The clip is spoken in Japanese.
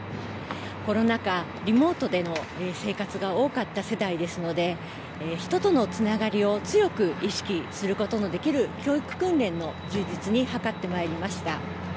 コロナ禍、リモートでの生活が多かった世代ですので、人とのつながりを強く意識することのできる教育訓練の充実に図っ